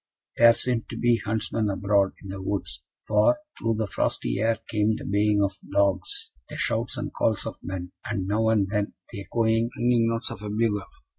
There seemed to be huntsmen abroad in the woods; for through the frosty air came the baying of dogs, the shouts and calls of men, and, now and then, the echoing, ringing notes of a bugle.